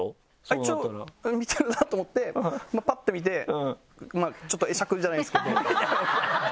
一応見てるなぁと思ってパって見てちょっと会釈じゃないですけど。